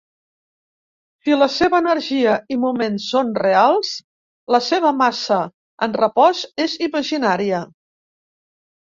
Si la seva energia i moment són reals, la seva massa en repòs és imaginària.